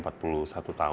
aktivitas saya adalah